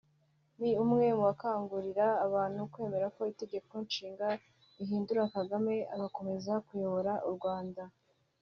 Mi umwe mu bakangurira abantu kwemera ko itegeko nshinga rihindurwa Kagame agakomeza kuyobora u Rwanda